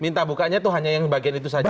minta bukanya itu hanya yang bagian itu saja